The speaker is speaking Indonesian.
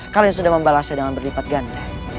kalian sudah membalasnya dengan berlipat ganda